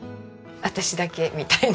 私だけみたいな。